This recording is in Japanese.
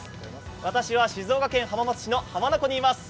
私は、静岡県浜松市の浜名湖にいます。